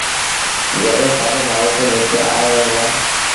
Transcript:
جڏهيݩ سڀ مآئيٚٽ مٽ آئي وهيݩ دآ